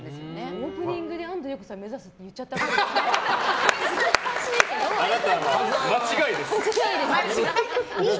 オープニングで安藤優子さん目指すってあなた、間違いです。